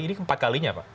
ini empat kalinya pak